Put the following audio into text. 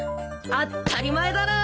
当ったり前だろ！